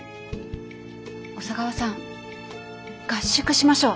小佐川さん合宿しましょう。